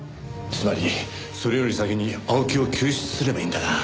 つまりそれより先に青木を救出すればいいんだな。